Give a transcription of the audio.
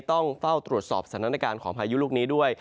ต้องเฝ้าตรวจสอบสถานการณ์ของพายุลูกนี้ด้วย